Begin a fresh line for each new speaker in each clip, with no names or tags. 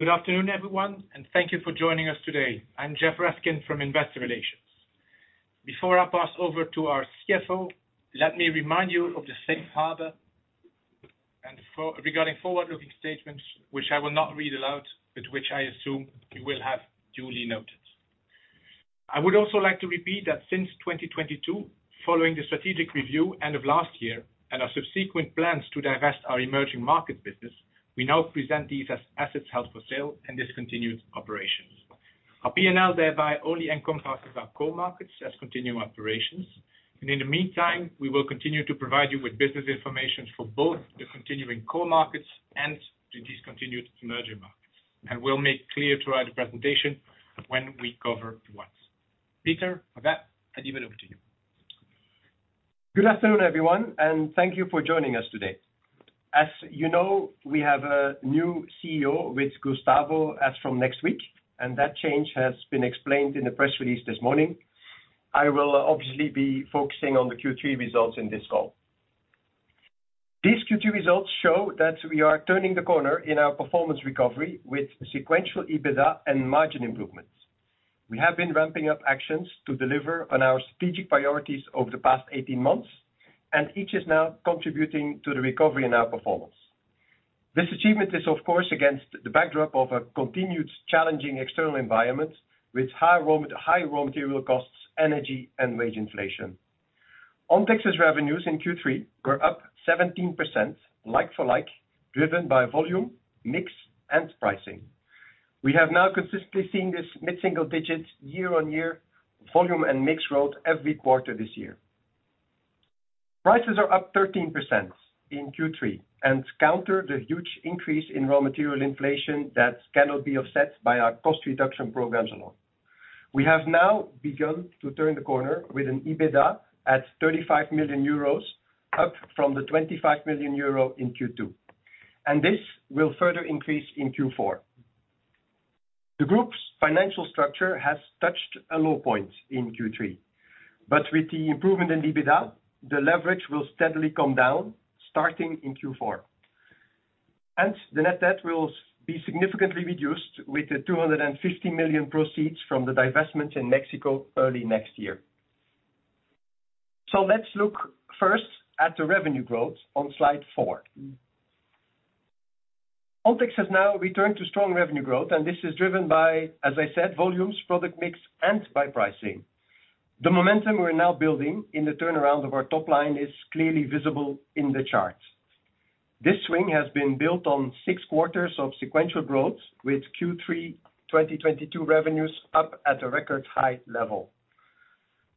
Good afternoon, everyone, and thank you for joining us today. I'm Geoff Raskin from Investor Relations. Before I pass over to our CFO, let me remind you of the safe harbor and regarding forward-looking statements, which I will not read aloud, but which I assume you will have duly noted. I would also like to repeat that since 2022, following the strategic review end of last year and our subsequent plans to divest our emerging market business, we now present these as assets held for sale and discontinued operations. Our P&L thereby only encompasses our core markets as continuing operations. In the meantime, we will continue to provide you with business information for both the continuing core markets and the discontinued emerging markets. We'll make clear throughout the presentation when we cover what. Peter, with that, I give it over to you. Good afternoon, everyone, and thank you for joining us today. As you know, we have a new CEO with Gustavo as from next week, and that change has been explained in the press release this morning. I will obviously be focusing on the Q3 results in this call. These Q2 results show that we are turning the corner in our performance recovery with sequential EBITDA and margin improvements. We have been ramping up actions to deliver on our strategic priorities over the past 18 months, and each is now contributing to the recovery in our performance. This achievement is, of course, against the backdrop of a continued challenging external environment with high raw material costs, energy and wage inflation. Ontex's revenues in Q3 were up 17% like-for-like, driven by volume, mix, and pricing.
We have now consistently seen this mid-single digits year-on-year volume and mix growth every quarter this year. Prices are up 13% in Q3 and counter the huge increase in raw material inflation that cannot be offset by our cost reduction programs alone. We have now begun to turn the corner with an EBITDA at 35 million euros, up from 25 million euro in Q2, and this will further increase in Q4. The group's financial structure has touched a low point in Q3, but with the improvement in EBITDA, the leverage will steadily come down starting in Q4. The net debt will be significantly reduced with the 250 million proceeds from the divestment in Mexico early next year. Let's look first at the revenue growth on slide four. Ontex has now returned to strong revenue growth, and this is driven by, as I said, volumes, product mix, and by pricing. The momentum we're now building in the turnaround of our top line is clearly visible in the charts. This swing has been built on six quarters of sequential growth, with Q3 2022 revenues up at a record high level.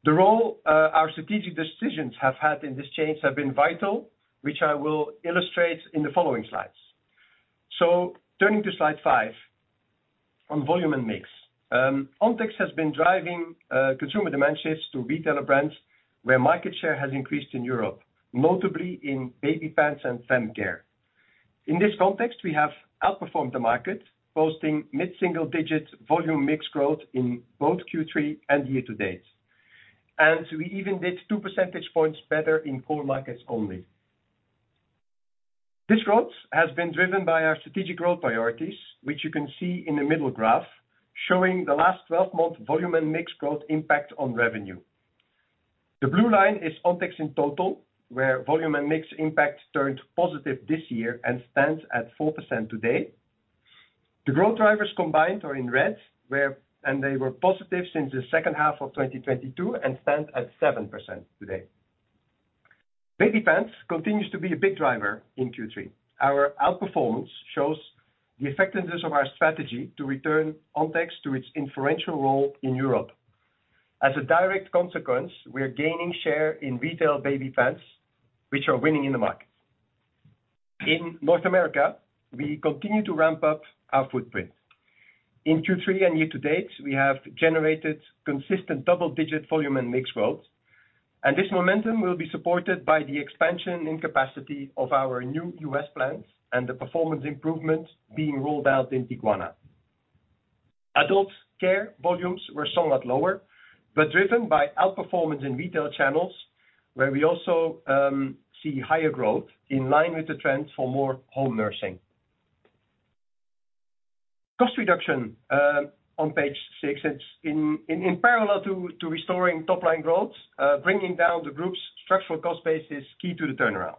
The role our strategic decisions have had in this change have been vital, which I will illustrate in the following slides. Turning to slide five on volume and mix. Ontex has been driving consumer demand shifts to retailer brands where market share has increased in Europe, notably in baby pants and Feminine Care. In this context, we have outperformed the market, posting mid-single digit volume mix growth in both Q3 and year to date. We even did two percentage points better in core markets only. This growth has been driven by our strategic growth priorities, which you can see in the middle graph, showing the last 12 month volume and mix growth impact on revenue. The blue line is Ontex in total, where volume and mix impact turned positive this year and stands at 4% today. The growth drivers combined are in red, where and they were positive since the second half of 2022 and stand at 7% today. Baby pants continues to be a big driver in Q3. Our outperformance shows the effectiveness of our strategy to return Ontex to its influential role in Europe. As a direct consequence, we are gaining share in retail baby pants, which are winning in the market. In North America, we continue to ramp up our footprint. In Q3 and year to date, we have generated consistent double-digit volume and mix growth, and this momentum will be supported by the expansion in capacity of our new U.S. plants and the performance improvements being rolled out in Tijuana. Adult care volumes were somewhat lower, but driven by outperformance in retail channels, where we also see higher growth in line with the trend for more home nursing. Cost reduction on page six. It's in parallel to restoring top-line growth, bringing down the group's structural cost base is key to the turnaround.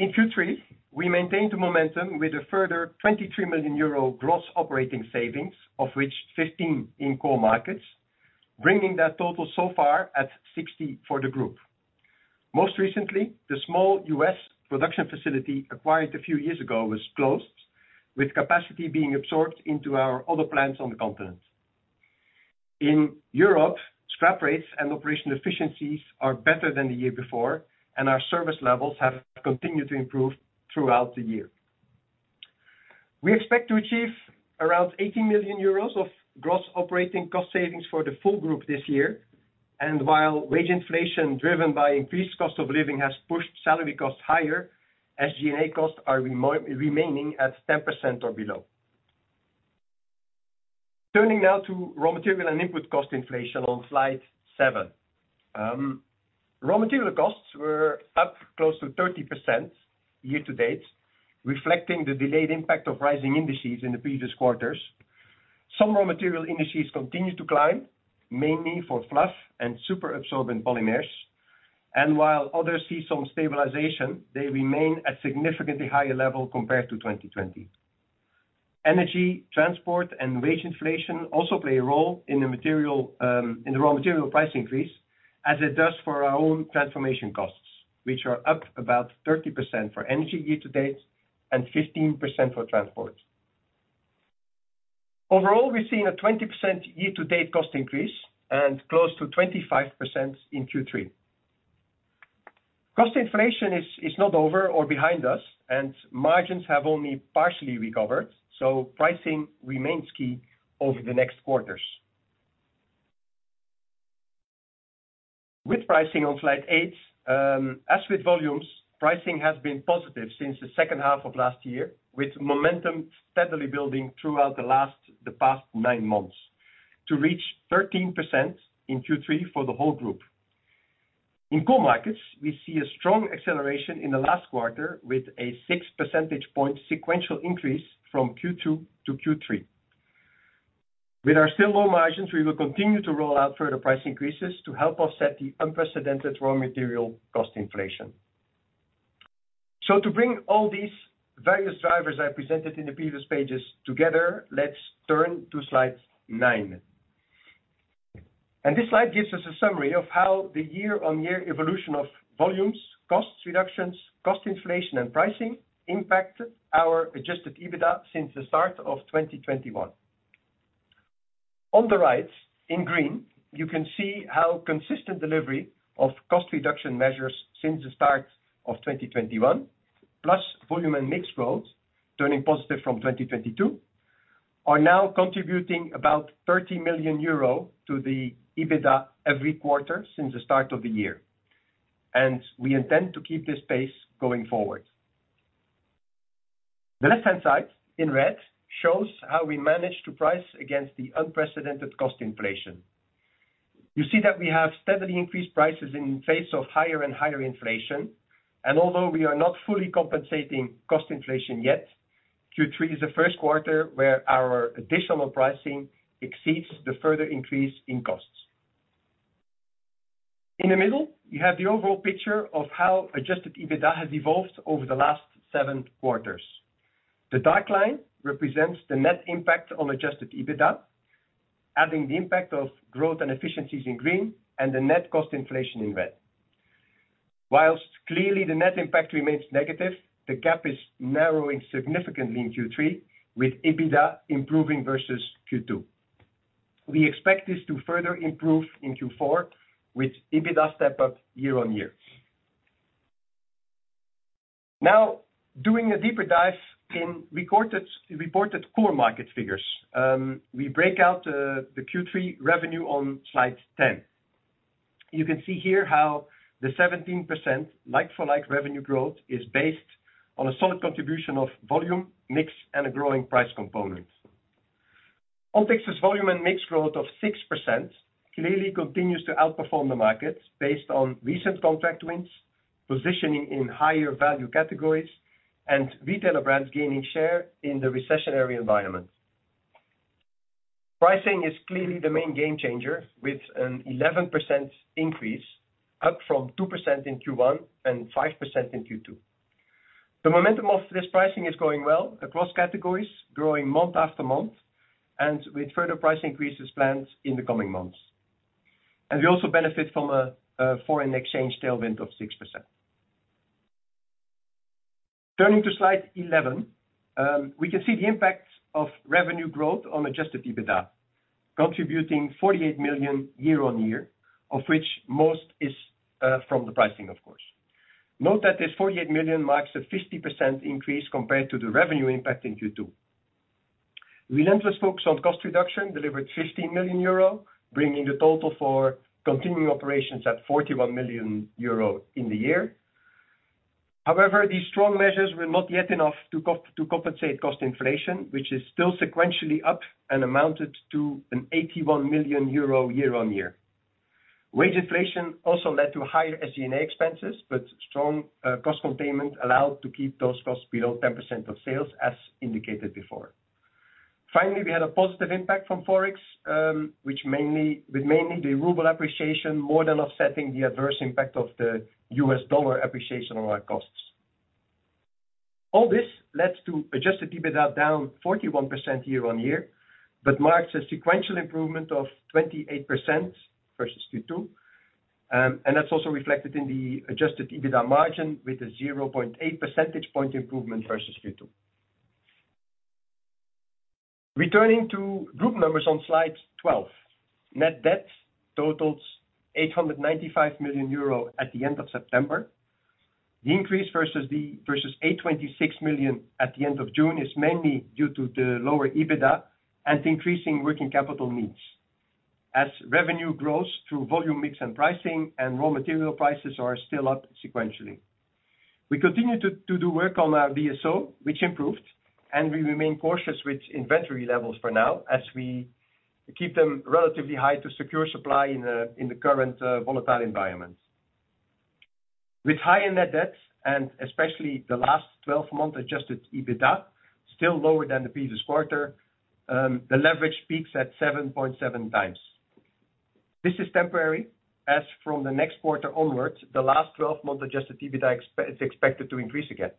In Q3, we maintained the momentum with a further 23 million euro gross operating savings, of which 15 million in core markets, bringing that total so far to 60 for the group. Most recently, the small U.S. production facility acquired a few years ago was closed, with capacity being absorbed into our other plants on the continent. In Europe, scrap rates and operational efficiencies are better than the year before, and our service levels have continued to improve throughout the year. We expect to achieve around 80 million euros of gross operating cost savings for the full group this year. While wage inflation driven by increased cost of living has pushed salary costs higher, SG&A costs are remaining at 10% or below. Turning now to raw material and input cost inflation on slide seven. Raw material costs were up close to 30% year to date, reflecting the delayed impact of rising indices in the previous quarters. Some raw material indices continued to climb, mainly for fluff and super absorbent polymers. While others see some stabilization, they remain at significantly higher level compared to 2020. Energy, transport and wage inflation also play a role in the material, in the raw material price increase, as it does for our own transformation costs, which are up about 30% for energy year to date and 15% for transport. Overall, we're seeing a 20% year to date cost increase and close to 25% in Q3. Cost inflation is not over or behind us and margins have only partially recovered, so pricing remains key over the next quarters. With pricing on slide 8, as with volumes, pricing has been positive since the second half of last year, with momentum steadily building throughout the past nine months to reach 13% in Q3 for the whole group. In core markets, we see a strong acceleration in the last quarter with a 6 percentage point sequential increase from Q2 to Q3. With our still low margins, we will continue to roll out further price increases to help offset the unprecedented raw material cost inflation. To bring all these various drivers I presented in the previous pages together, let's turn to slide nine. This slide gives us a summary of how the year-on-year evolution of volumes, cost reductions, cost inflation and pricing impacted our adjusted EBITDA since the start of 2021. On the right in green, you can see how consistent delivery of cost reduction measures since the start of 2021 plus volume and mix growth turning positive from 2022 are now contributing about 30 million euro to the EBITDA every quarter since the start of the year. We intend to keep this pace going forward. The left-hand side in red shows how we managed to price against the unprecedented cost inflation. You see that we have steadily increased prices in face of higher and higher inflation, and although we are not fully compensating cost inflation yet, Q3 is the first quarter where our additional pricing exceeds the further increase in costs. In the middle, you have the overall picture of how adjusted EBITDA has evolved over the last seven quarters. The dark line represents the net impact on adjusted EBITDA, adding the impact of growth and efficiencies in green and the net cost inflation in red. While clearly the net impact remains negative, the gap is narrowing significantly in Q3 with EBITDA improving versus Q2. We expect this to further improve in Q4 with EBITDA step up year-on-year. Now, doing a deeper dive in reported core market figures. We break out the Q3 revenue on slide 10. You can see here how the 17% like-for-like revenue growth is based on a solid contribution of volume, mix and a growing price component. Ontex's volume and mix growth of 6% clearly continues to outperform the markets based on recent contract wins, positioning in higher value categories and retailer brands gaining share in the recessionary environment. Pricing is clearly the main game changer with an 11% increase up from 2% in Q1 and 5% in Q2. The momentum of this pricing is going well across categories, growing month after month and with further price increases planned in the coming months. We also benefit from a foreign exchange tailwind of 6%. Turning to slide 11, we can see the impact of revenue growth on adjusted EBITDA, contributing 48 million year-on-year, of which most is from the pricing of course. Note that this 48 million marks a 50% increase compared to the revenue impact in Q2. Relentless focus on cost reduction delivered 15 million euro, bringing the total for continuing operations at 41 million euro in the year. However, these strong measures were not yet enough to compensate cost inflation, which is still sequentially up and amounted to 81 million euro year-on-year. Wage inflation also led to higher SG&A expenses, but strong cost containment allowed to keep those costs below 10% of sales, as indicated before. Finally, we had a positive impact from Forex, which with mainly the ruble appreciation more than offsetting the adverse impact of the US dollar appreciation on our costs. All this led to adjusted EBITDA down 41% year-on-year, but marks a sequential improvement of 28% versus Q2. That's also reflected in the adjusted EBITDA margin with a 0.8 percentage point improvement versus Q2. Returning to group numbers on slide 12. Net debt totals 895 million euro at the end of September. The increase versus 826 million at the end of June is mainly due to the lower EBITDA and increasing working capital needs. As revenue grows through volume mix and pricing and raw material prices are still up sequentially. We continue to do work on our DSO, which improved, and we remain cautious with inventory levels for now as we keep them relatively high to secure supply in the current volatile environment. With high net debts and especially the last 12 month adjusted EBITDA still lower than the previous quarter, the leverage peaks at 7.7x. This is temporary, as from the next quarter onwards, the last 12 month adjusted EBITDA is expected to increase again.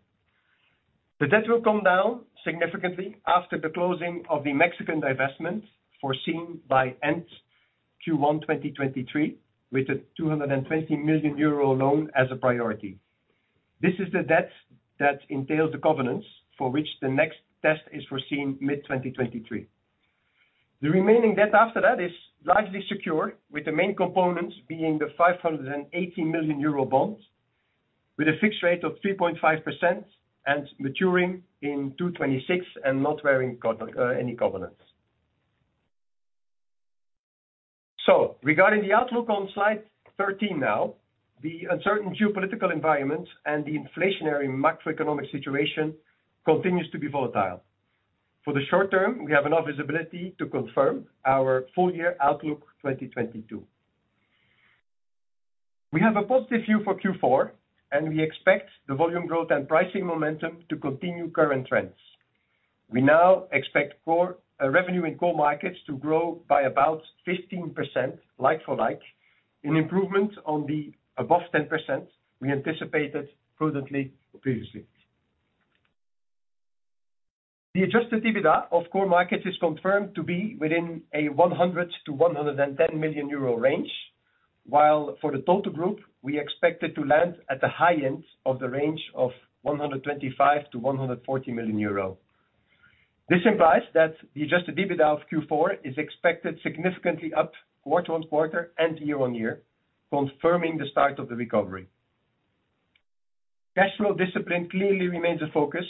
The debt will come down significantly after the closing of the Mexican divestment foreseen by end Q1 2023, with a 220 million euro loan as a priority. This is the debt that entails the covenants for which the next test is foreseen mid-2023. The remaining debt after that is largely secure, with the main components being the 580 million euro bonds with a fixed rate of 3.5% and maturing in 2026 and not warranting any covenants. Regarding the outlook on slide 13 now, the uncertain geopolitical environment and the inflationary macroeconomic situation continues to be volatile. For the short term, we have enough visibility to confirm our full-year outlook 2022. We have a positive view for Q4, and we expect the volume growth and pricing momentum to continue current trends. We now expect core revenue in core markets to grow by about 15% like-for-like, an improvement on the above 10% we anticipated prudently previously. The adjusted EBITDA of core markets is confirmed to be within a 100 million-110 million euro range, while for the total group, we expect it to land at the high end of the range of 125 million-140 million euro. This implies that the adjusted EBITDA of Q4 is expected significantly up quarter-on-quarter and year-on-year, confirming the start of the recovery. Cash flow discipline clearly remains a focus.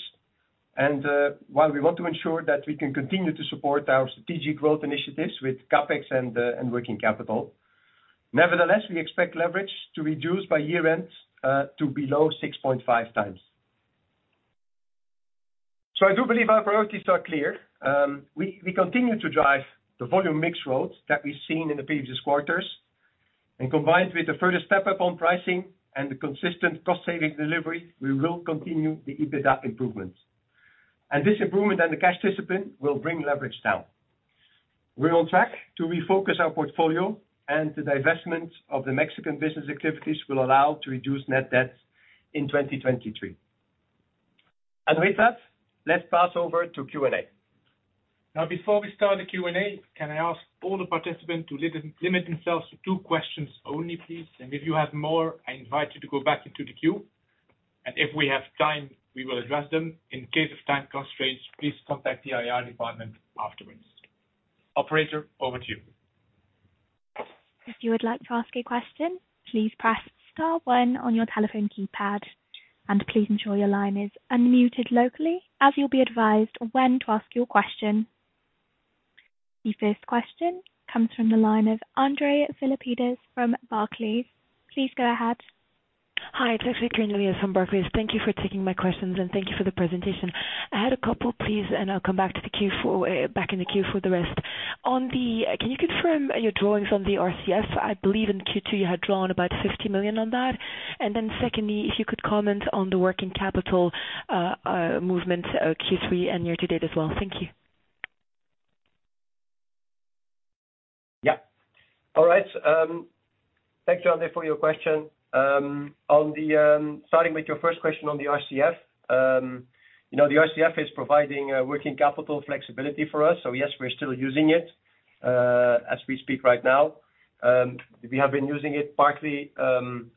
While we want to ensure that we can continue to support our strategic growth initiatives with CapEx and working capital, nevertheless, we expect leverage to reduce by year-end to below 6.5x. I do believe our priorities are clear. We continue to drive the volume mix growth that we've seen in the previous quarters, and combined with the further step-up on pricing and the consistent cost saving delivery, we will continue the EBITDA improvements. This improvement and the cash discipline will bring leverage down. We're on track to refocus our portfolio and the divestment of the Mexican business activities will allow to reduce net debt in 2023. With that, let's pass over to Q&A.
Now, before we start the Q&A, can I ask all the participants to limit themselves to two questions only, please. If you have more, I invite you to go back into the queue, and if we have time, we will address them. In case of time constraints, please contact the IR department afterwards. Operator, over to you.
If you would like to ask a question, please press star one on your telephone keypad, and please ensure your line is unmuted locally as you'll be advised when to ask your question. The first question comes from the line of Andre Philippides from Barclays. Please go ahead.
Hi, it's actually Karine Elias from Barclays. Thank you for taking my questions and thank you for the presentation. I had a couple, please, and I'll come back to the queue for the rest. Can you confirm your drawings on the RCF? I believe in Q2, you had drawn about 50 million on that. Secondly, if you could comment on the working capital movement, Q3 and year to date as well. Thank you.
Yeah. All right. Thanks, Andre, for your question. Starting with your first question on the RCF, you know, the RCF is providing working capital flexibility for us. Yes, we're still using it as we speak right now. We have been using it partly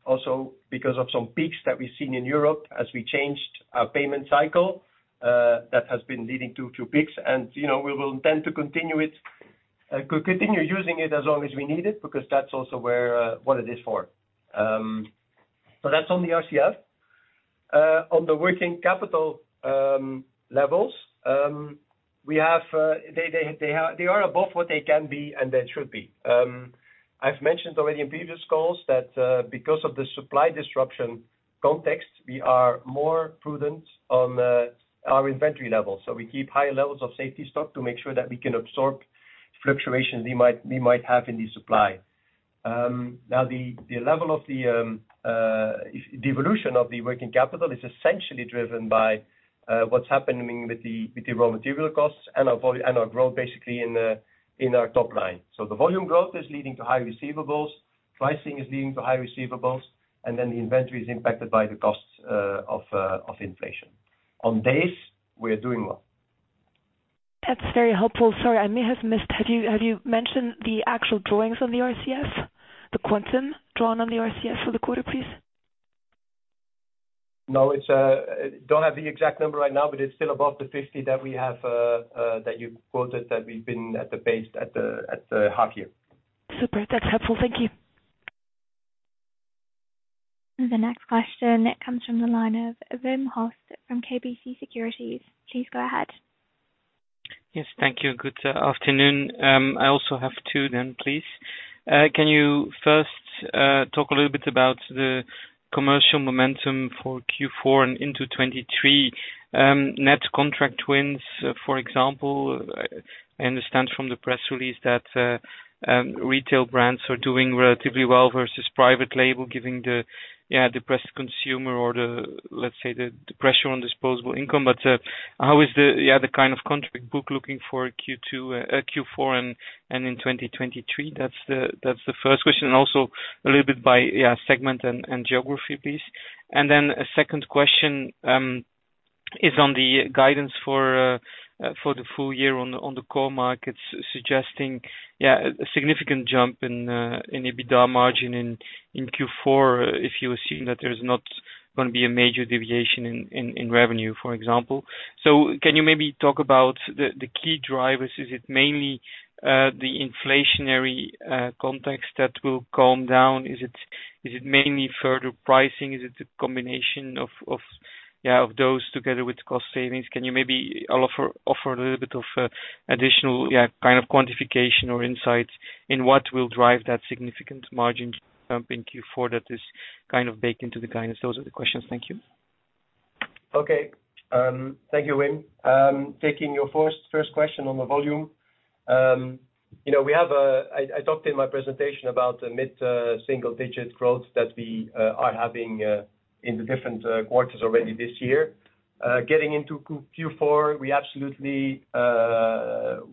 also because of some peaks that we've seen in Europe as we changed our payment cycle that has been leading to peaks. You know, we will intend to continue using it as long as we need it, because that's also what it is for. That's on the RCF. On the working capital levels, they are above what they can be and they should be. I've mentioned already in previous calls that, because of the supply disruption context, we are more prudent on our inventory levels. We keep high levels of safety stock to make sure that we can absorb fluctuations we might have in the supply. Now the level of the evolution of the working capital is essentially driven by what's happening with the raw material costs and our growth basically in our top line. The volume growth is leading to high receivables, pricing is leading to high receivables, and then the inventory is impacted by the costs of inflation. On DSOs, we are doing well.
That's very helpful. Sorry, I may have missed. Have you mentioned the actual drawings on the RCFs? The quantum drawn on the RCFs for the quarter, please?
No. I don't have the exact number right now, but it's still above the 50 that we have that you quoted that we've been at the base at the half year.
Super. That's helpful. Thank you.
The next question comes from the line of Wim Hoste from KBC Securities. Please go ahead.
Yes. Thank you. Good afternoon. I also have two, then, please. Can you first talk a little bit about the commercial momentum for Q4 and into 2023, net contract wins, for example. I understand from the press release that retailer brands are doing relatively well versus private label, given the depressed consumer or, let's say, the pressure on disposable income. How is the kind of contract book looking for Q4 and in 2023? That's the first question, and also a little bit by segment and geography, please. A second question is on the guidance for the full-year on the core markets, suggesting a significant jump in EBITDA margin in Q4, if you assume that there's not gonna be a major deviation in revenue, for example. Can you maybe talk about the key drivers? Is it mainly the inflationary context that will calm down? Is it mainly further pricing? Is it a combination of those together with cost savings? Can you maybe offer a little bit of additional kind of quantification or insights into what will drive that significant margin jump in Q4 that is kind of baked into the guidance? Those are the questions. Thank you.
Okay. Thank you, Wim. Taking your first question on the volume. You know, we have I talked in my presentation about the mid single digit growth that we are having in the different quarters already this year. Getting into Q4, we absolutely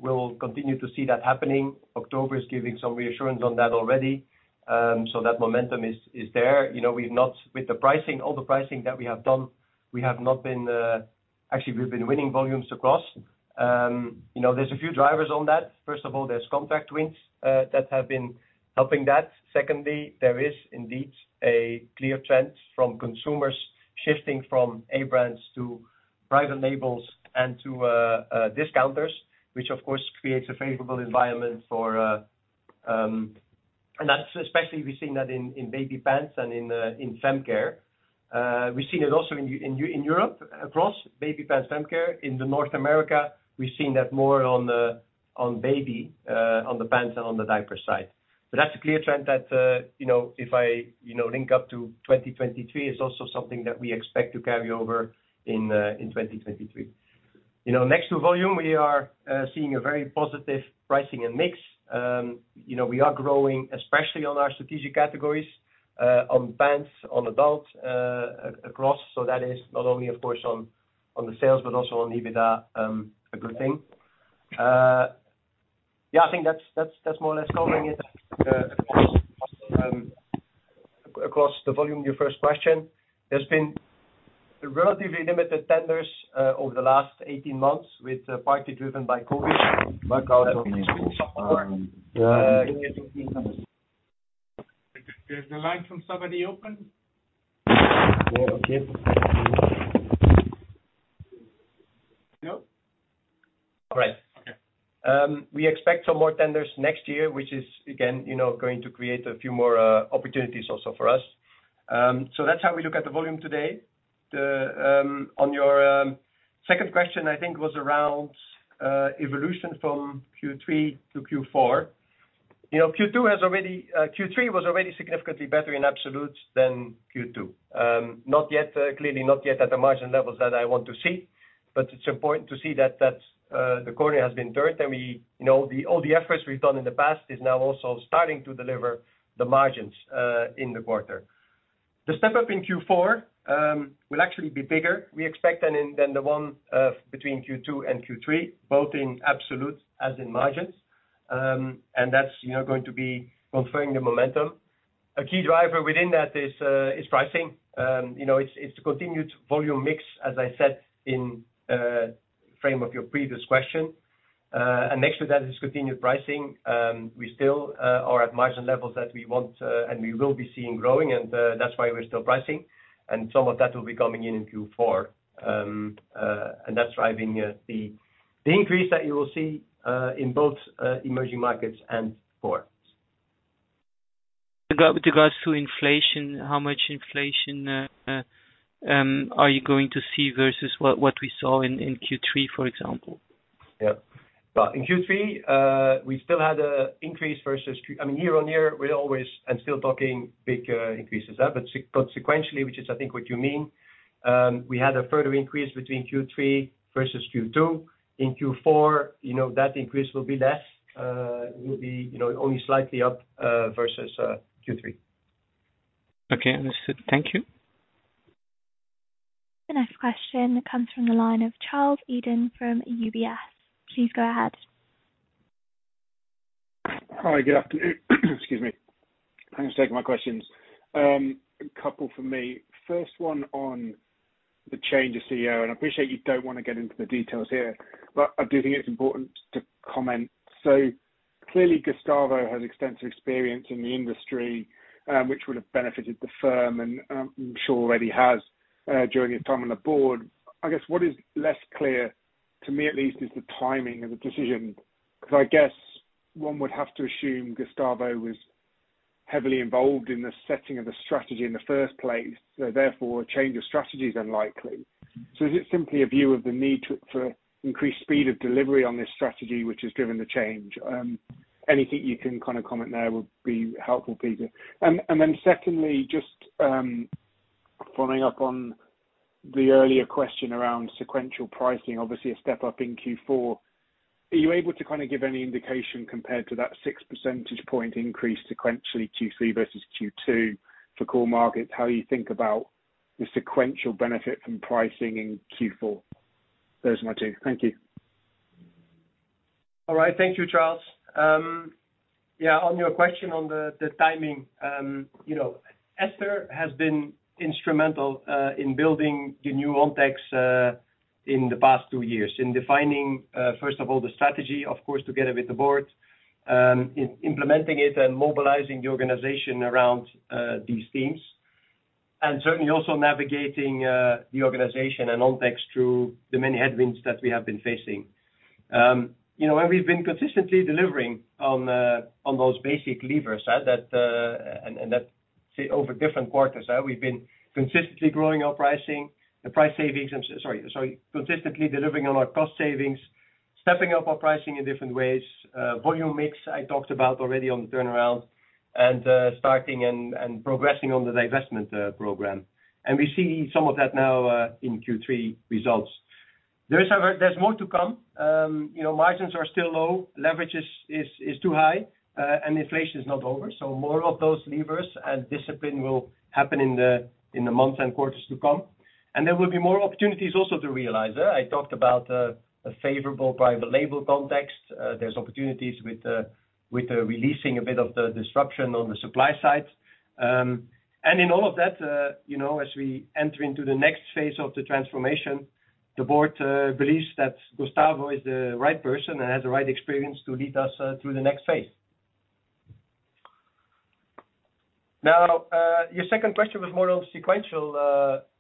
will continue to see that happening. October is giving some reassurance on that already. That momentum is there. You know, we've not with the pricing, all the pricing that we have done, we have not been. Actually, we've been winning volumes across. You know, there's a few drivers on that. First of all, there's contract wins that have been helping that. Secondly, there is indeed a clear trend from consumers shifting from A-brands to private labels and to discounters, which of course creates a favorable environment for. That's especially we've seen that in baby pants and in Feminine Care. We've seen it also in Europe, across baby pants, Feminine Care. In North America, we've seen that more on baby pants and on the diaper side. That's a clear trend that you know, if I you know, link up to 2023, it's also something that we expect to carry over in 2023. You know, next to volume, we are seeing a very positive pricing and mix. You know, we are growing, especially on our strategic categories, on pants, on adult, across. That is not only of course on the sales, but also on EBITDA, a good thing. Yeah, I think that's more or less covering it. Across the volume, your first question, there's been relatively limited tenders over the last 18 months with partly driven by COVID.
Is there lines from somebody open?
Yeah. Okay.
No.
All right.
Okay.
We expect some more tenders next year, which is again, you know, going to create a few more opportunities also for us. That's how we look at the volume today. On your second question, I think was around evolution from Q3 to Q4. You know, Q3 was already significantly better in absolutes than Q2. Not yet clearly at the margin levels that I want to see, but it's important to see that that's the corner has been turned, and we, you know, all the efforts we've done in the past is now also starting to deliver the margins in the quarter. The step up in Q4 will actually be bigger, we expect, than the one between Q2 and Q3, both in absolute as in margins. That's, you know, going to be confirming the momentum. A key driver within that is pricing. You know, it's continued volume mix, as I said in the frame of your previous question. Next to that is continued pricing. We still are at margin levels that we want, and we will be seeing growing, and that's why we're still pricing. Some of that will be coming in in Q4. That's driving the increase that you will see in both emerging markets and core.
With regards to inflation, how much inflation are you going to see versus what we saw in Q3, for example?
Yeah. Well, in Q3, we still had an increase. I mean, year on year we always, I'm still talking big increases. Sequentially, which is I think what you mean, we had a further increase between Q3 versus Q2. In Q4, you know, that increase will be less. It will be, you know, only slightly up versus Q3.
Okay. Understood. Thank you.
The next question comes from the line of Charles Eden from UBS. Please go ahead.
Hi. Good afternoon. Excuse me. Thanks for taking my questions. A couple from me. First one on the change of CEO, and I appreciate you don't wanna get into the details here, but I do think it's important to comment. Clearly, Gustavo has extensive experience in the industry, which would have benefited the firm and, I'm sure already has, during his time on the board. I guess what is less clear, to me at least, is the timing of the decision, 'cause I guess one would have to assume Gustavo was heavily involved in the setting of the strategy in the first place, so therefore a change of strategy is unlikely. Is it simply a view of the need to, for increased speed of delivery on this strategy which has driven the change? Anything you can kind of comment there will be helpful, please. then secondly, just, following up on the earlier question around sequential pricing, obviously a step up in Q4. Are you able to kind of give any indication compared to that six percentage point increase sequentially Q3 versus Q2 for core markets, how you think about the sequential benefit from pricing in Q4? Those are my two. Thank you.
All right. Thank you, Charles. On your question on the timing, you know, Esther has been instrumental in building the new Ontex in the past two years, in defining first of all the strategy, of course, together with the board, implementing it and mobilizing the organization around these themes. Certainly also navigating the organization and Ontex through the many headwinds that we have been facing. You know, we've been consistently delivering on those basic levers, and that, say, over different quarters. We've been consistently delivering on our cost savings, stepping up our pricing in different ways. Volume mix I talked about already on the turnaround, and starting and progressing on the divestment program. We see some of that now, in Q3 results. There's more to come. You know, margins are still low. Leverage is too high, and inflation is not over. More of those levers and discipline will happen in the months and quarters to come. There will be more opportunities also to realize. I talked about a favorable private label context. There's opportunities with releasing a bit of the disruption on the supply side. And in all of that, you know, as we enter into the next phase of the transformation, the board believes that Gustavo is the right person and has the right experience to lead us through the next phase. Now, your second question was more on sequential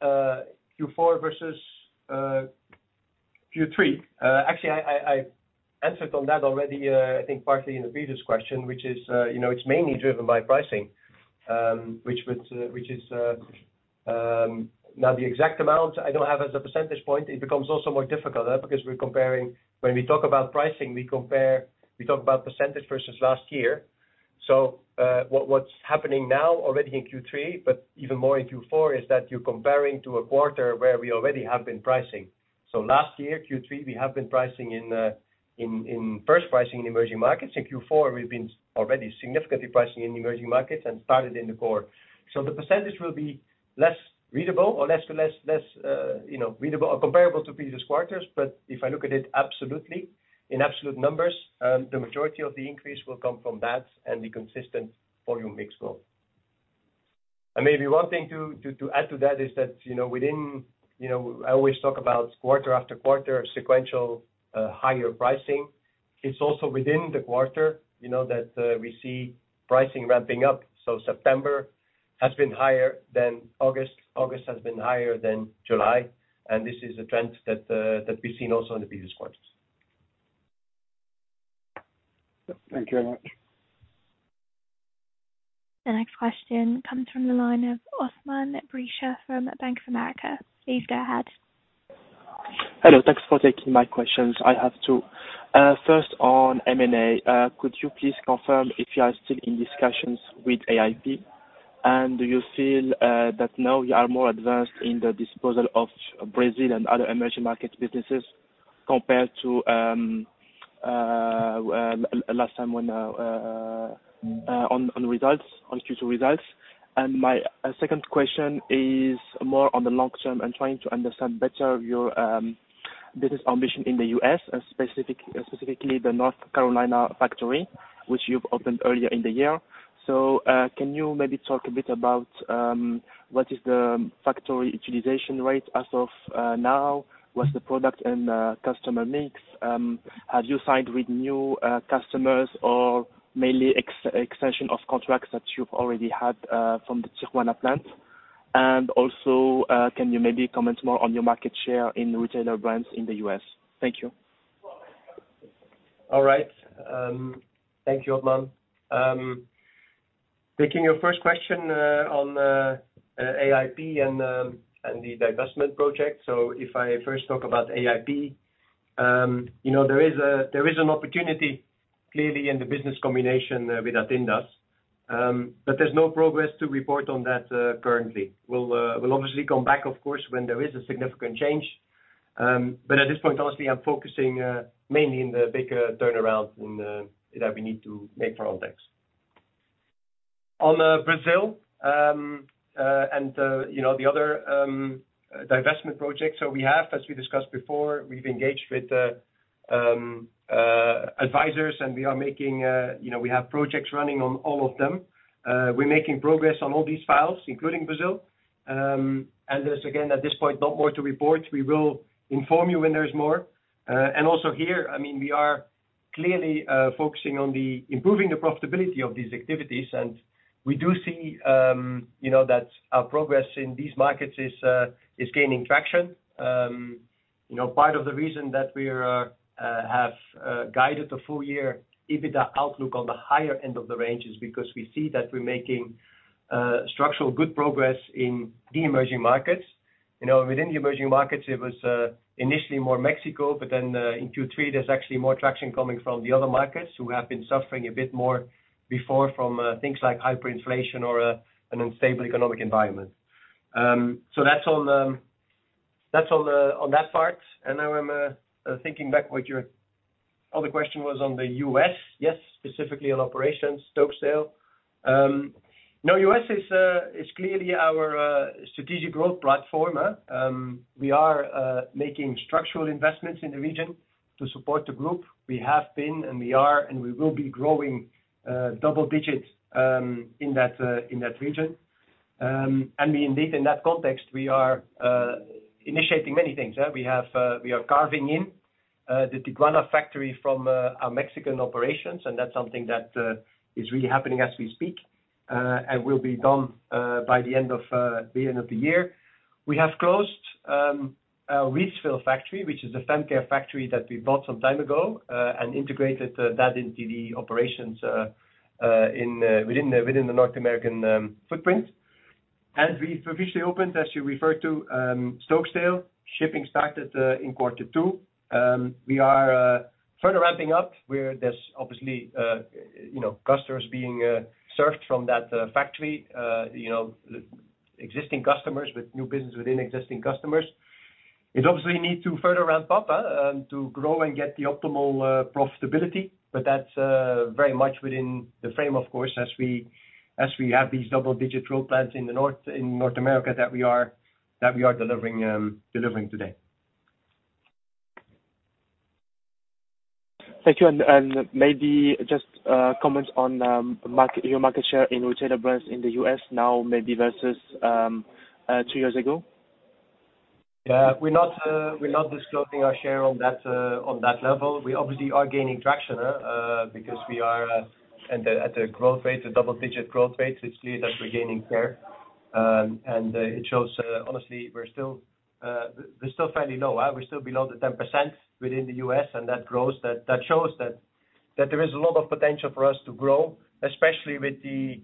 Q4 versus Q3. Actually, I answered on that already. I think partly in the previous question, which is, you know, it's mainly driven by pricing, which is not the exact amount. I don't have as a percentage point. It becomes also more difficult because we're comparing. When we talk about pricing, we compare. We talk about percentage versus last year. What's happening now already in Q3, but even more in Q4, is that you're comparing to a quarter where we already have been pricing. Last year, Q3, we have been pricing in first pricing in emerging markets. In Q4, we've been already significantly pricing in emerging markets and started in the core. The percentage will be less readable or less readable or comparable to previous quarters. If I look at it absolutely, in absolute numbers, the majority of the increase will come from that and the consistent volume mix growth. Maybe one thing to add to that is that, you know, within, you know, I always talk about quarter after quarter of sequential, higher pricing. It's also within the quarter, you know, that we see pricing ramping up. September has been higher than August has been higher than July, and this is a trend that we've seen also in the previous quarters.
Thank you very much.
The next question comes from the line of Othmane Bricha from Bank of America. Please go ahead.
Hello. Thanks for taking my questions. I have two. First on M&A, could you please confirm if you are still in discussions with AIP? Do you feel that now you are more advanced in the disposal of Brazil and other emerging market businesses compared to last time when on results, on future results? My second question is more on the long term. I'm trying to understand better your business ambition in the US, specifically the North Carolina factory, which you've opened earlier in the year. Can you maybe talk a bit about what is the factory utilization rate as of now? What's the product and customer mix? Have you signed with new customers or mainly extension of contracts that you've already had from the Tijuana plant? Can you maybe comment more on your market share in retailer brands in the U.S.? Thank you.
All right. Thank you, Othmane. Taking your first question on AIP and the divestment project. If I first talk about AIP, you know, there is an opportunity clearly in the business combination with Attindas. There's no progress to report on that currently. We'll obviously come back, of course, when there is a significant change. At this point, honestly, I'm focusing mainly on the bigger turnaround and that we need to make for Ontex. On Brazil and you know, the other divestment projects. We have, as we discussed before, we've engaged with advisors, and we are making you know, we have projects running on all of them. We're making progress on all these files, including Brazil. There's again, at this point, not more to report. We will inform you when there's more. Also here, I mean, we are clearly focusing on the improving the profitability of these activities. We do see, you know, that our progress in these markets is gaining traction. You know, part of the reason that we're have guided the full-year EBITDA outlook on the higher end of the range is because we see that we're making structural good progress in the emerging markets. You know, within the emerging markets, it was initially more Mexico, but then in Q3, there's actually more traction coming from the other markets who have been suffering a bit more before from things like hyperinflation or an unstable economic environment. That's on that part. Now I'm thinking back what your other question was on the U.S., yes, specifically on operations, Stokesdale. Now U.S. is clearly our strategic growth platform. We are making structural investments in the region to support the group. We have been, and we are, and we will be growing double digits in that region. We indeed, in that context, are initiating many things. We are carving out the Tijuana factory from our Mexican operations, and that's something that is really happening as we speak, and will be done by the end of the year. We have closed a Reidsville factory, which is a FemCare factory that we bought some time ago, and integrated that into the operations in the North American footprint. We officially opened, as you referred to, Stokesdale. Shipping started in quarter two. We are further ramping up where there's obviously you know customers being served from that factory you know existing customers with new business within existing customers. It obviously need to further ramp up to grow and get the optimal profitability, but that's very much within the frame, of course, as we have these double-digit growth plans in North America that we are delivering today.
Thank you. Maybe just comment on your market share in retailer brands in the U.S. now maybe versus two years ago?
Yeah. We're not disclosing our share on that level. We obviously are gaining traction because we are at a double-digit growth rate. It's clear that we're gaining share. It shows, honestly, we're still fairly low. We're still below 10% within the US, and that shows that there is a lot of potential for us to grow, especially with the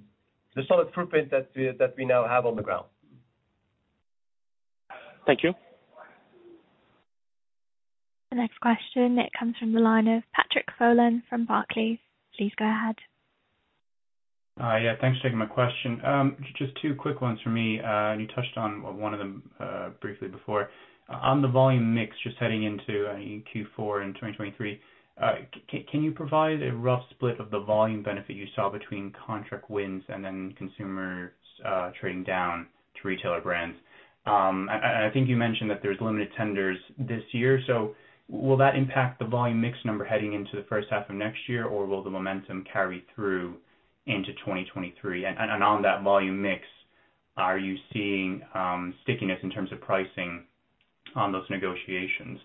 solid footprint that we now have on the ground.
Thank you.
The next question, it comes from the line of Patrick Folan from Barclays. Please go ahead.
Yeah, thanks for taking my question. Just two quick ones for me. You touched on one of them, briefly before. On the volume mix, just heading into Q4 in 2023, can you provide a rough split of the volume benefit you saw between contract wins and then consumers trading down to retailer brands? I think you mentioned that there's limited tenders this year, so will that impact the volume mix number heading into the first half of next year? Or will the momentum carry through into 2023? On that volume mix, are you seeing stickiness in terms of pricing on those negotiations?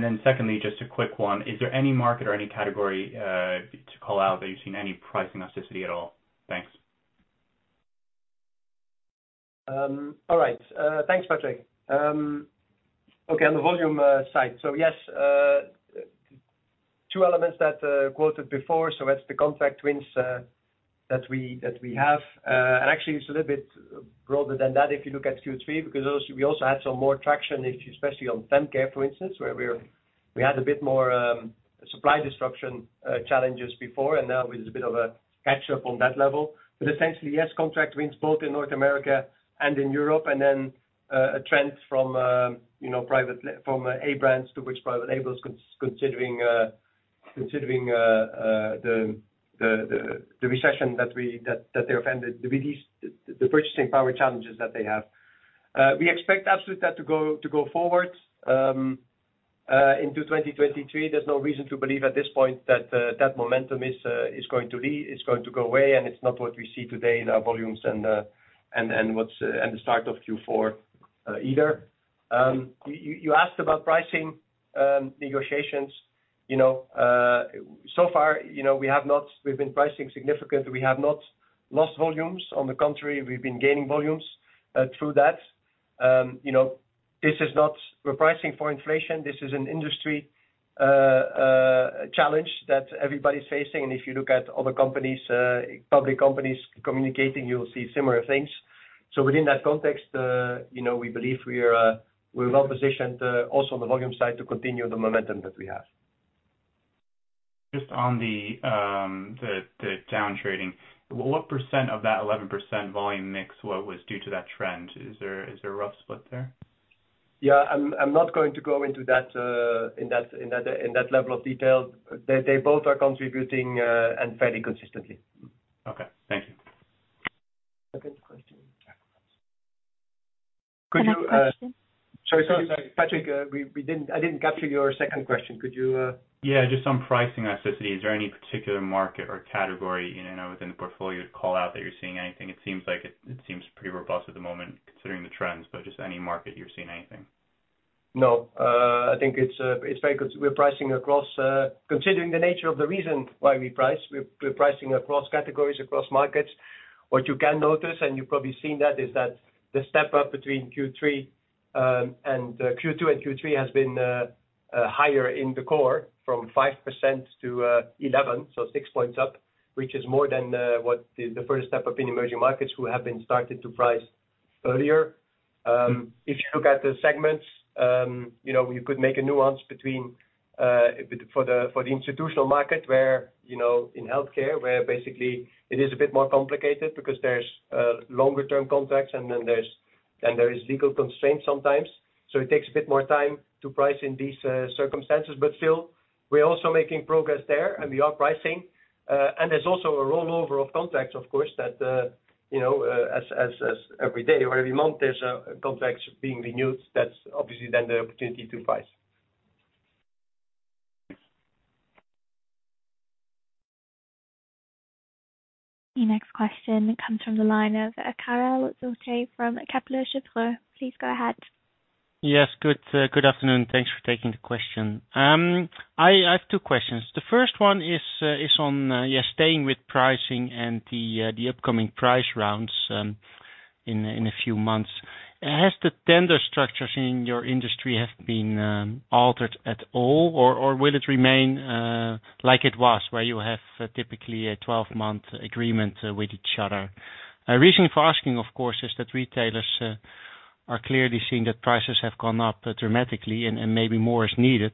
Then secondly, just a quick one, is there any market or any category to call out that you've seen any price elasticity at all? Thanks.
All right. Thanks, Patrick. Okay, on the volume side. Yes, two elements that I quoted before. That's the contract wins that we have. And actually, it's a little bit broader than that if you look at Q3, because we also had some more traction, especially on FemCare, for instance, where we had a bit more supply disruption challenges before, and now there's a bit of a catch-up on that level. Essentially, yes, contract wins both in North America and in Europe, and then a trend from, you know, A-brands to private labels considering the recession that they're facing, the purchasing power challenges that they have. We expect absolutely that to go forward into 2023. There's no reason to believe at this point that momentum is going to go away, and it's not what we see today in our volumes and what's at the start of Q4 either. You asked about pricing negotiations. You know, so far, you know, we have not, we've been pricing significantly. We have not lost volumes. On the contrary, we've been gaining volumes through that. You know, this is not repricing for inflation. This is an industry challenge that everybody's facing. If you look at other companies, public companies communicating, you'll see similar things. Within that context, you know, we believe we're well-positioned, also on the volume side to continue the momentum that we have.
Just on the down trading, what percent of that 11% volume mix was due to that trend? Is there a rough split there?
Yeah. I'm not going to go into that in that level of detail. They both are contributing and fairly consistently.
Okay, thank you.
Second question.
Could you?
Another question.
Sorry, Patrick, I didn't capture your second question. Could you
Yeah, just on pricing elasticity, is there any particular market or category, you know, within the portfolio to call out that you're seeing anything? It seems pretty robust at the moment considering the trends, but just any market you're seeing anything.
No. I think it's very good. Considering the nature of the reason why we price, we're pricing across categories, across markets. What you can notice, and you've probably seen that, is that the step up between Q2 and Q3 has been higher in the core from 5% to 11%, so 6 points up, which is more than what the first step up in emerging markets which have started to price earlier.
Mm.
If you look at the segments, you know, you could make a nuance between a bit for the institutional market where, you know, in healthcare, where basically it is a bit more complicated because there's longer term contracts and then there is legal constraints sometimes. It takes a bit more time to price in these circumstances. Still, we're also making progress there and we are pricing. There's also a rollover of contracts, of course, that you know, as every day or every month there's contracts being renewed, that's obviously then the opportunity to price.
The next question comes from the line of Karel Zoete from Kepler Cheuvreux. Please go ahead.
Yes. Good afternoon. Thanks for taking the question. I have two questions. The first one is on staying with pricing and the upcoming price rounds in a few months. Has the tender structures in your industry have been altered at all or will it remain like it was where you have typically a 12 month agreement with each other? My reason for asking, of course, is that retailers are clearly seeing that prices have gone up dramatically and maybe more is needed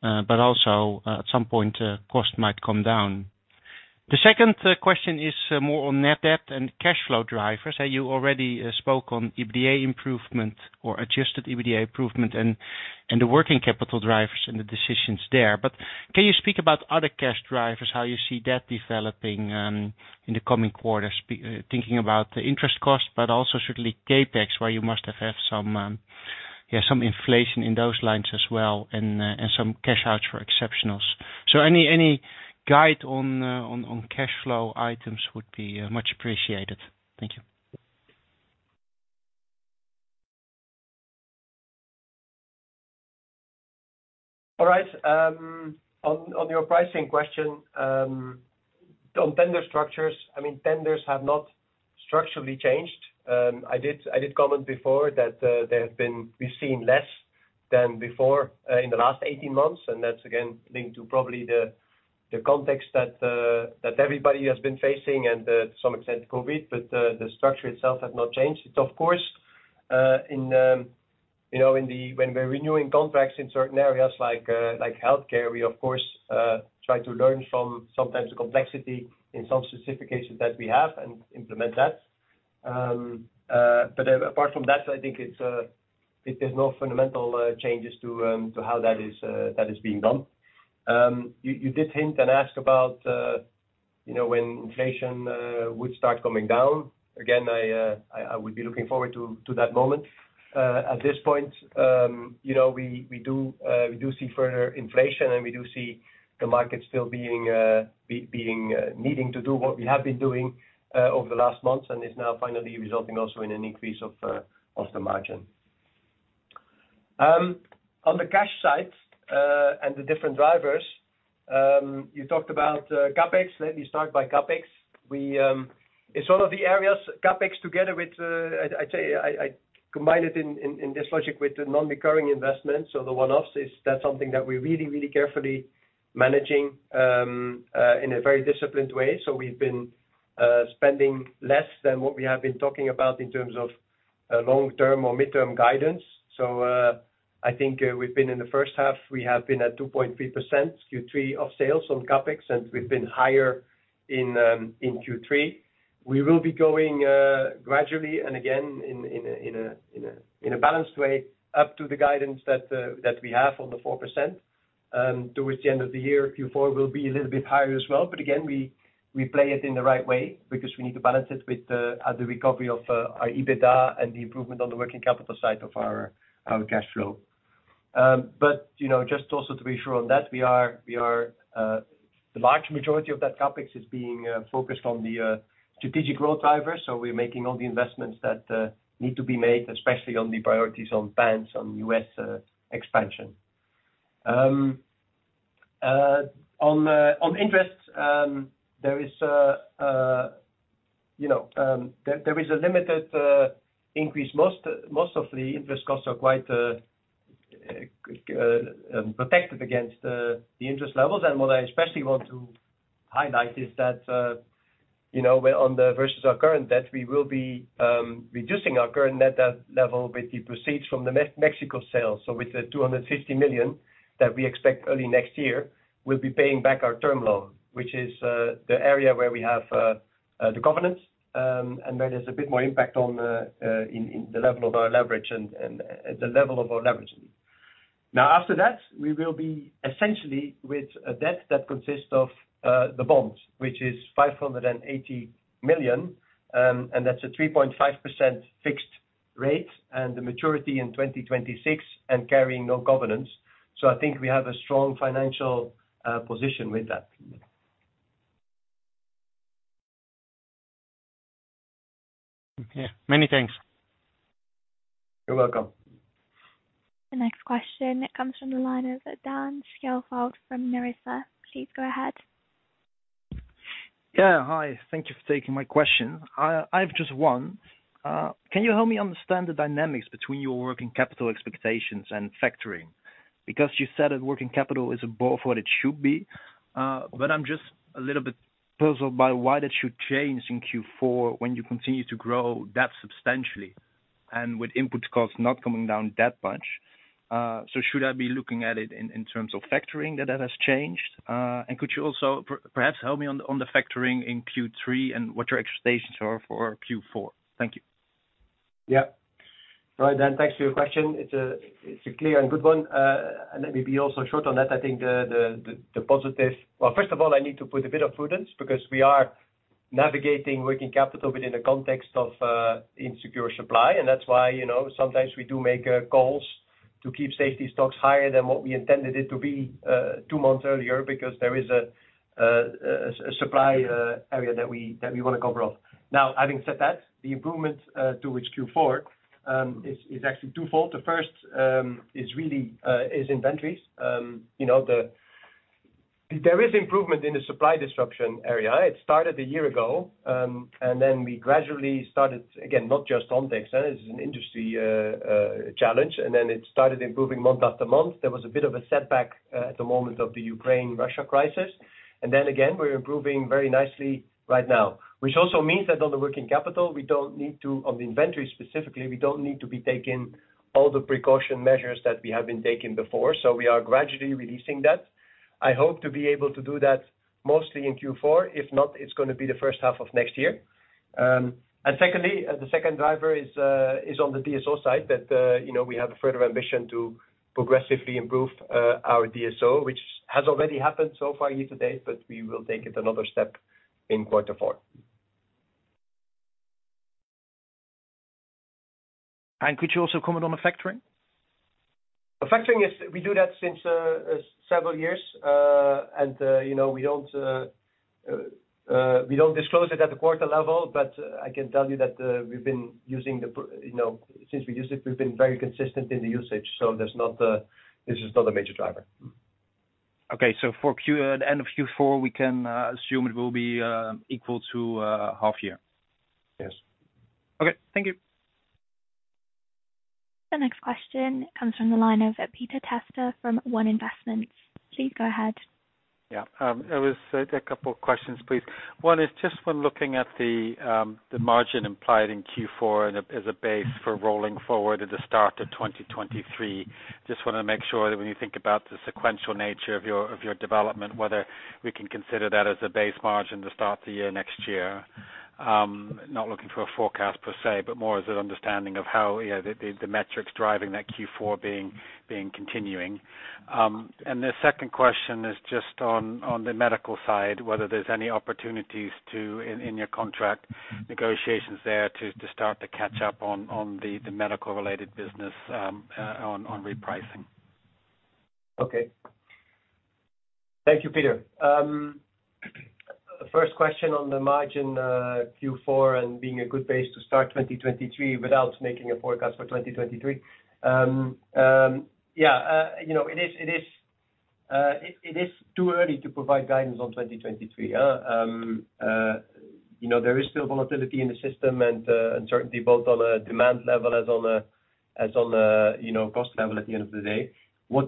but also at some point cost might come down. The second question is more on net debt and cash flow drivers. You already spoke on EBITDA improvement or adjusted EBITDA improvement and the working capital drivers and the decisions there. Can you speak about other cash drivers, how you see that developing in the coming quarters, specifically thinking about the interest cost, but also certainly CapEx, where you must have had some inflation in those lines as well, and some cash out for exceptionals. Any guide on cash flow items would be much appreciated. Thank you.
All right. On your pricing question, on tender structures, I mean, tenders have not structurally changed. I did comment before that there have been, we've seen less than before in the last 18 months, and that's again linked to probably the context that everybody has been facing and to some extent COVID, but the structure itself has not changed. It's of course, you know, when we're renewing contracts in certain areas like healthcare, we of course try to learn from sometimes the complexity in some specifications that we have and implement that. Apart from that, I think there's no fundamental changes to how that is being done. You did hint and ask about, you know, when inflation would start coming down. Again, I would be looking forward to that moment. At this point, you know, we do see further inflation and we do see the market still being being needing to do what we have been doing over the last months and is now finally resulting also in an increase of the margin. On the cash side, and the different drivers you talked about, CapEx. Let me start by CapEx. We, it's one of the areas CapEx together with, I'd say I combine it in this logic with the non-recurring investments. The one-offs, that's something that we're really carefully managing in a very disciplined way. We've been spending less than what we have been talking about in terms of long-term or midterm guidance. I think we've been in the first half, we have been at 2.3% Q3 of sales on CapEx, since we've been higher in Q3. We will be going gradually and again in a balanced way up to the guidance that we have on the 4%. Towards the end of the year, Q4 will be a little bit higher as well. Again, we play it in the right way because we need to balance it with the recovery of our EBITDA and the improvement on the working capital side of our cash flow. You know, just also to be sure on that, we are the large majority of that CapEx is being focused on the strategic growth drivers. We're making all the investments that need to be made, especially on the priorities on pants, on U.S. expansion. On the interest, there is a, you know, there is a limited increase. Most of the interest costs are quite protected against the interest levels. What I especially want to highlight is that, you know, we're on the versus our current debt. We will be reducing our current net debt level with the proceeds from the Mexico sale. With the 250 million that we expect early next year, we'll be paying back our term loan, which is the area where we have the covenants and where there's a bit more impact on the level of our leverage and the level of our leverage. Now after that, we will be essentially with a debt that consists of the bonds, which is 580 million, and that's a 3.5% fixed rate and the maturity in 2026 and carrying no covenants. I think we have a strong financial position with that.
Okay. Many thanks.
You're welcome.
The next question comes from the line of [inaudible] from Marissa. Please go ahead.
Yeah. Hi. Thank you for taking my question. I have just one. Can you help me understand the dynamics between your working capital expectations and factoring? Because you said that working capital is above what it should be, but I'm just a little bit puzzled by why that should change in Q4 when you continue to grow that substantially and with input costs not coming down that much. So should I be looking at it in terms of factoring that has changed? And could you also perhaps help me on the factoring in Q3 and what your expectations are for Q4? Thank you.
Yeah. Right then. Thanks for your question. It's a clear and good one. Let me be also short on that. I think the positive. Well, first of all, I need to put a bit of prudence because we are navigating working capital within the context of insecure supply, and that's why, you know, sometimes we do make goals to keep safety stocks higher than what we intended it to be two months earlier because there is a supply area that we wanna cover up. Now, having said that, the improvement to which Q4 is actually twofold. The first is really inventories. You know, there is improvement in the supply disruption area. It started a year ago, and then we gradually started, again, not just on the expense. This is an industry challenge, and then it started improving month after month. There was a bit of a setback at the moment of the Ukraine-Russia crisis. Again, we're improving very nicely right now, which also means that on the working capital, on the inventory specifically, we don't need to be taking all the precaution measures that we have been taking before. We are gradually releasing that. I hope to be able to do that mostly in Q4. If not, it's gonna be the first half of next year. Secondly, the second driver is on the DSO side, that you know, we have a further ambition to progressively improve our DSO, which has already happened so far year-to-date, but we will take it another step in quarter four.
Could you also comment on the factoring?
The factoring is, we do that since several years. You know, we don't disclose it at the quarter level, but I can tell you that, we've been using you know, since we use it, we've been very consistent in the usage, so this is not a major driver.
Okay. For Q4 at end of Q4, we can assume it will be equal to half year?
Yes.
Okay. Thank you.
The next question comes from the line of Peter Testa from One Investments. Please go ahead.
Yeah. It was a couple of questions, please. One is just when looking at the margin implied in Q4 and as a base for rolling forward at the start of 2023. Just wanna make sure that when you think about the sequential nature of your development, whether we can consider that as a base margin to start the year next year. Not looking for a forecast per se, but more as an understanding of how, you know, the metrics driving that Q4 being continuing. And the second question is just on the medical side, whether there's any opportunities to win in your contract negotiations there to start to catch up on the medical related business on repricing.
Okay. Thank you, Peter. First question on the margin, Q4 and being a good base to start 2023 without making a forecast for 2023. Yeah, you know, it is too early to provide guidance on 2023. You know, there is still volatility in the system and uncertainty both on a demand level as on a cost level at the end of the day. I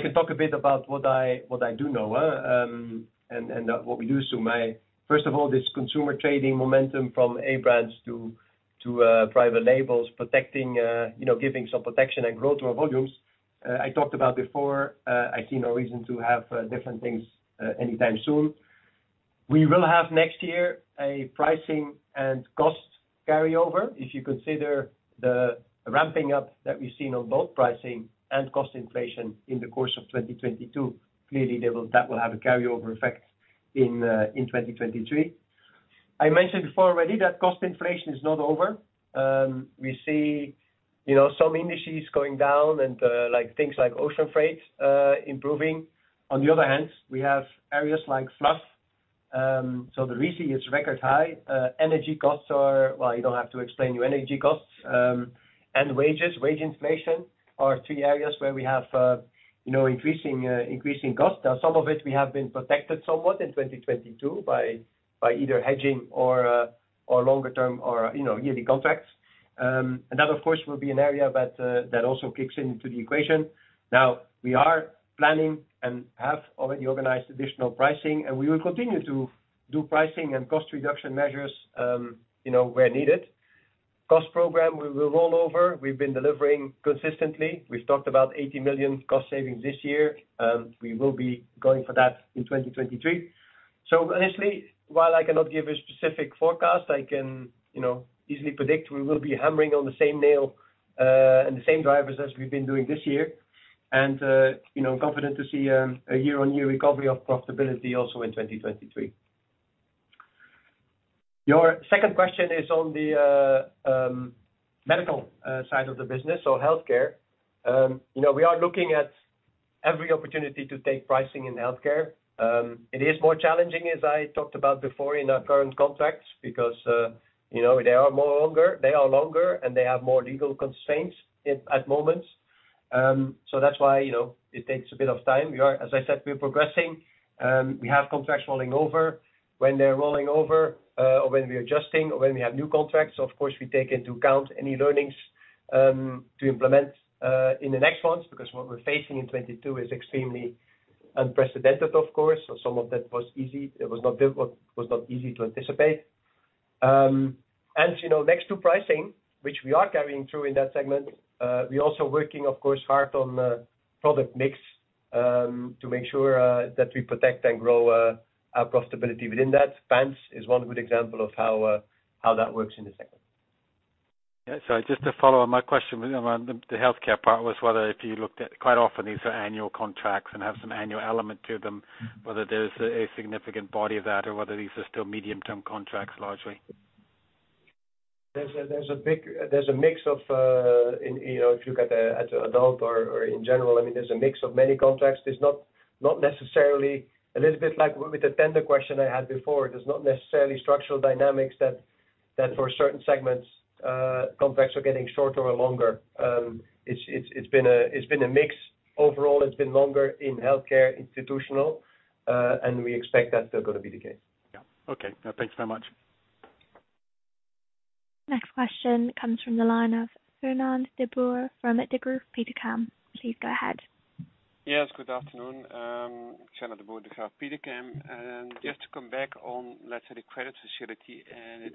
can talk a bit about what I do know, and what we do. First of all, this consumer trading momentum from A-brands to private labels protecting, you know, giving some protection and growth to our volumes, I talked about before, I see no reason to have different things anytime soon. We will have next year a pricing and cost carryover. If you consider the ramping up that we've seen on both pricing and cost inflation in the course of 2022, clearly, that will have a carryover effect in 2023. I mentioned before already that cost inflation is not over. We see, you know, some indices going down and, like, things like ocean freight improving. On the other hand, we have areas like fluff. The RISI is record high. Well, you don't have to explain your energy costs. Wages, wage inflation are three areas where we have, you know, increasing costs. Now, some of it we have been protected somewhat in 2022 by either hedging or longer term or, you know, yearly contracts. That, of course, will be an area that also kicks into the equation. Now, we are planning and have already organized additional pricing, and we will continue to do pricing and cost reduction measures, you know, where needed. Cost program will roll over. We've been delivering consistently. We've talked about 80 million cost savings this year. We will be going for that in 2023. Honestly, while I cannot give a specific forecast, I can, you know, easily predict we will be hammering on the same nail and the same drivers as we've been doing this year. You know, I'm confident to see a year-on-year recovery of profitability also in 2023. Your second question is on the medical side of the business or healthcare. You know, we are looking at every opportunity to take pricing in healthcare, it is more challenging, as I talked about before in our current contracts, because you know, they are longer, and they have more legal constraints at moments. So that's why, you know, it takes a bit of time. As I said, we're progressing, we have contracts rolling over. When they're rolling over, or when we're adjusting or when we have new contracts, of course, we take into account any learnings to implement in the next months, because what we're facing in 2022 is extremely unprecedented, of course. Some of that was easy. It was not, but it was not easy to anticipate. As you know, next to pricing, which we are carrying through in that segment, we're also working, of course, hard on product mix to make sure that we protect and grow our profitability within that. Pants is one good example of how that works in the segment.
Yeah. Just to follow on my question around the healthcare part was whether if you looked at quite often these are annual contracts and have some annual element to them, whether there's a significant body of that or whether these are still medium-term contracts largely?
There's a mix of, you know, if you look at adult or in general, I mean, there's a mix of many contracts. There's not necessarily a little bit like with the tender question I had before. There's not necessarily structural dynamics that for certain segments, contracts are getting shorter or longer. It's been a mix. Overall, it's been longer in healthcare, institutional, and we expect that's still gonna be the case.
Yeah. Okay. No, thanks very much.
Next question comes from the line of Fernand de Boer from Degroof Petercam. Please go ahead.
Yes, good afternoon. Fernand de Boer, Degroof Petercam. Just to come back on, let's say, the credit facility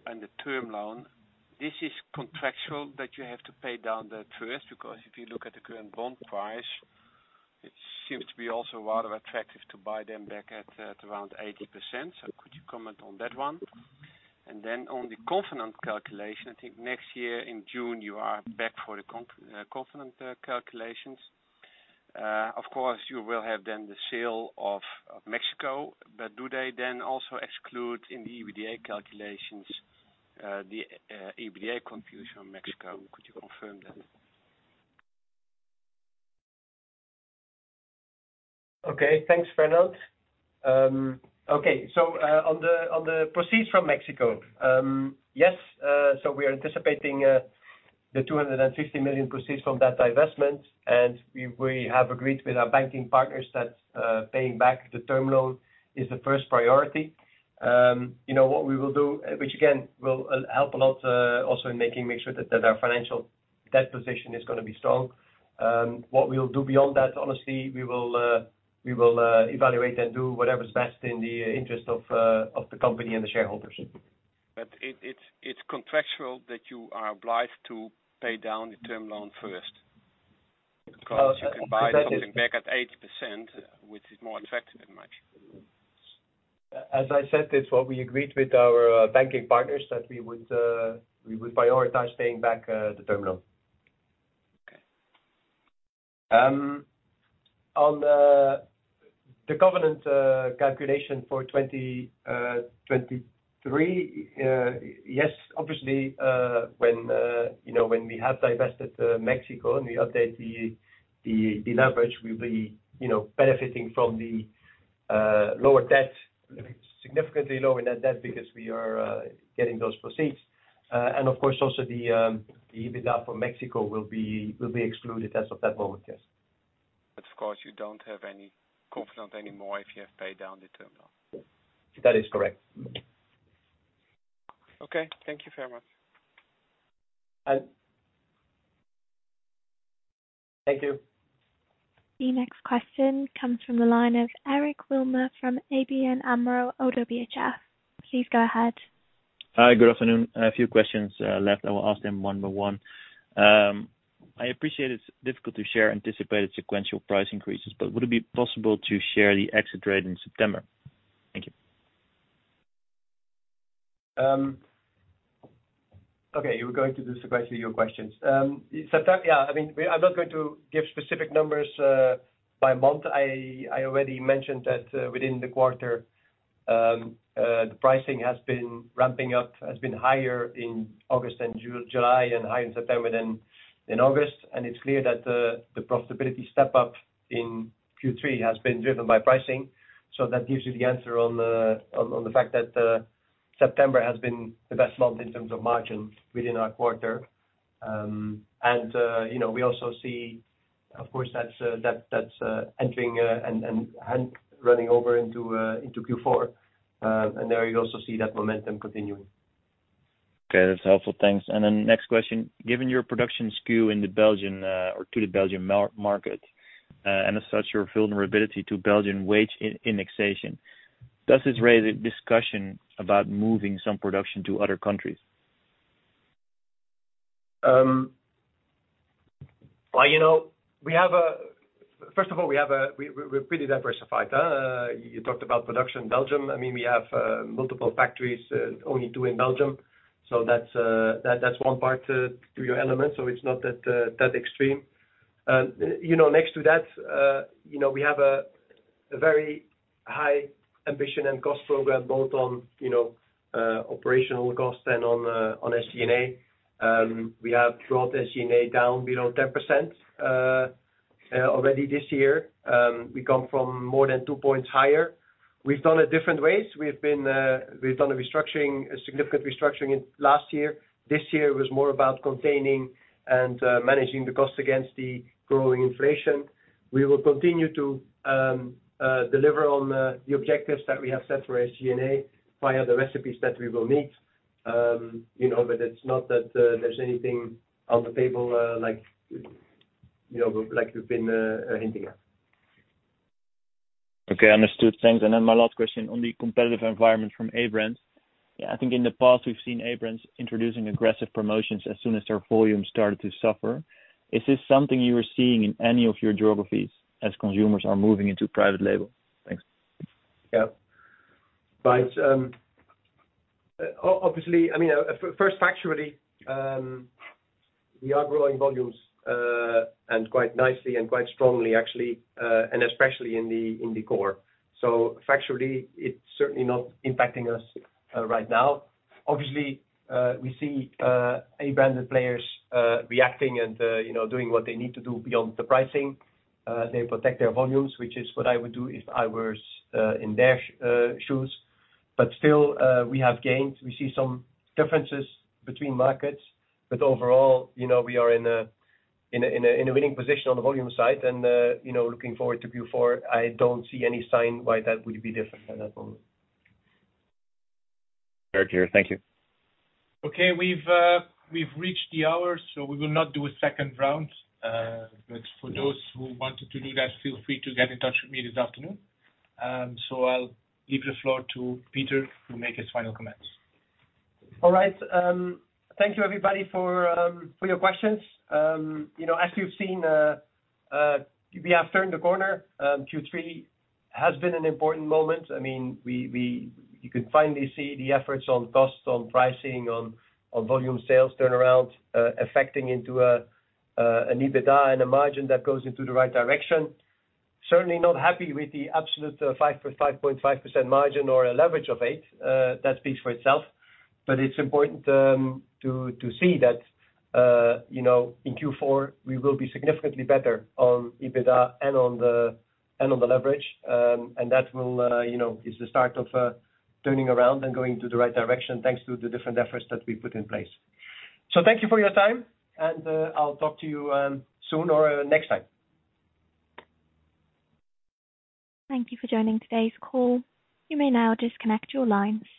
and the term loan, this is contractual that you have to pay down the debt, because if you look at the current bond price, it seems to be also rather attractive to buy them back at around 80%. Could you comment on that one? Then on the covenant calculation, I think next year in June, you are back for the covenant calculations. Of course, you will have then the sale of Mexico. But do they then also exclude in the EBITDA calculations the EBITDA from Mexico? Could you confirm that?
Okay. Thanks, Fernand. On the proceeds from Mexico, yes. We are anticipating the 250 million proceeds from that divestment. We have agreed with our banking partners that paying back the term loan is the first priority. You know, what we will do, which again will help a lot, also in making sure that our financial debt position is gonna be strong. What we will do beyond that, honestly, we will evaluate and do whatever is best in the interest of the company and the shareholders.
It's contractual that you are obliged to pay down the term loan first. 'Cause you can buy something back at 80%, which is more attractive than much.
As I said, it's what we agreed with our banking partners, that we would prioritize paying back the term loan.
Okay.
On the covenant calculation for 2023, yes, obviously, when you know, when we have divested Mexico and we update the leverage, we'll be you know, benefiting from the lower debt, significantly lower net debt because we are getting those proceeds. Of course, also the EBITDA from Mexico will be excluded as of that moment, yes.
Of course, you don't have any covenant anymore if you have paid down the term loan.
That is correct.
Okay. Thank you very much.
Thank you.
The next question comes from the line of Eric Wilmer from ABN AMRO ODDO BHF. Please go ahead.
Hi. Good afternoon. A few questions left. I will ask them one by one. I appreciate it's difficult to share anticipated sequential price increases, but would it be possible to share the exit rate in September? Thank you.
Okay. You were going to do sequentially your questions. September, yeah, I mean, I'm not going to give specific numbers by month. I already mentioned that within the quarter the pricing has been ramping up, has been higher in August and July and high in September than in August. It's clear that the profitability step-up in Q3 has been driven by pricing. That gives you the answer on the fact that September has been the best month in terms of margin within our quarter. You know, we also see, of course, that's entering and running over into Q4. There you also see that momentum continuing.
Okay. That's helpful. Thanks. Next question. Given your production SKU in the Belgian or to the Belgian market, and as such, your vulnerability to Belgian wage indexation, does this raise a discussion about moving some production to other countries?
Well, you know, we're pretty diversified. You talked about production Belgium. I mean, we have multiple factories, only two in Belgium. That's one part to your element. So it's not that extreme. You know, next to that, you know, we have a very ambitious cost program both on operational costs and on SG&A. We have dropped SG&A down below 10%, already this year. We come from more than two points higher. We've done it different ways. We've done a restructuring, a significant restructuring last year. This year was more about containing and managing the cost against the growing inflation. We will continue to deliver on the objectives that we have set for SG&A via the recipes that we will meet. You know, it's not that there's anything on the table, like, you know, like you've been hinting at.
Okay, understood. Thanks. My last question on the competitive environment from A-brands. I think in the past, we've seen A-brands introducing aggressive promotions as soon as their volume started to suffer. Is this something you are seeing in any of your geographies as consumers are moving into private label? Thanks.
Obviously, I mean, first factually, we are growing volumes, and quite nicely and quite strongly actually, and especially in the core. Factually, it's certainly not impacting us, right now. Obviously, we see A-brands players reacting and, you know, doing what they need to do beyond the pricing. They protect their volumes, which is what I would do if I were in their shoes. Still, we have gains. We see some differences between markets, but overall, you know, we are in a winning position on the volume side and, you know, looking forward to Q4, I don't see any sign why that would be different at that moment.
Very clear. Thank you.
Okay. We've reached the hour, so we will not do a second round. For those who wanted to do that, feel free to get in touch with me this afternoon. I'll leave the floor to Peter to make his final comments.
All right. Thank you everybody for your questions. You know, as you've seen, we have turned the corner. Q3 has been an important moment. I mean, you could finally see the efforts on costs, on pricing, on volume sales turnarounds, affecting into an EBITDA and a margin that goes into the right direction. Certainly not happy with the absolute 5.5% margin or a leverage of 8%, that speaks for itself. It's important to see that, you know, in Q4 we will be significantly better on EBITDA and on the leverage. That will, you know, is the start of turning around and going to the right direction, thanks to the different efforts that we put in place. Thank you for your time, and I'll talk to you soon or next time.
Thank you for joining today's call. You may now disconnect your lines.